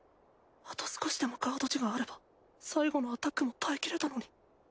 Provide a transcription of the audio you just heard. あと少しでもガード値があれば最後のアタックも耐え切れたのに。